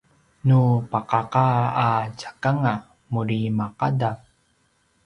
nu paqaqa a tjakanga muri maqadv